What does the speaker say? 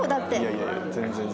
いやいや全然全然。